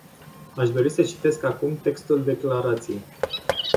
Aș dori să citesc acum textul declarației.